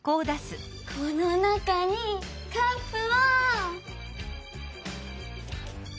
この中にカップを。